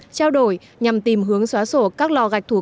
trao đổi nhằm tìm hướng xóa sổ các lò gạch thủ